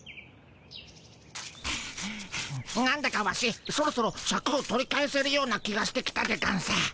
なんだかワシそろそろシャクを取り返せるような気がしてきたでゴンス。